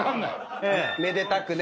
めでたくね。